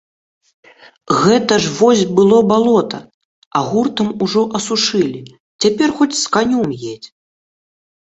Гэта ж вось было балота, а гуртам ужо асушылі, цяпер хоць з канём едзь.